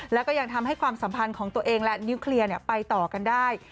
แล้วก็ยังทำให้ความสัมพันธ์ของตัวเองและนิ้วเคลียร์ไปต่อกันได้